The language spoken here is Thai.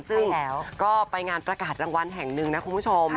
ซึ่งก็ไปงานประกาศรางวัลแห่งหนึ่งนะคุณผู้ชม